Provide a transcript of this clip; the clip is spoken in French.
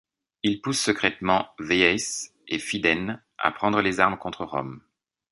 Il pousse secrètement Véies et Fidènes à prendre les armes contre Rome.